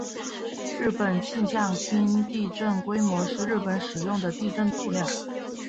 日本气象厅地震规模是日本使用的地震度量。